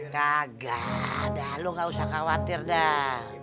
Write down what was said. kagak ada lo gak usah khawatir dah